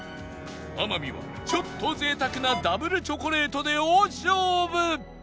天海はちょっと贅沢なダブルチョコレートで大勝負！